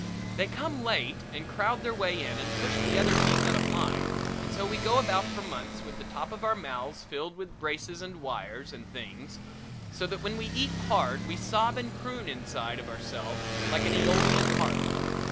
They come late and crowd their way in and push the other teeth out of line and so we go about for months with the top of our mouths filled with braces and wires and things, so that when we breathe hard we sob and croon inside of ourselves like an Aeolean harp.